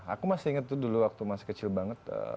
aku masih inget tuh dulu waktu masih kecil banget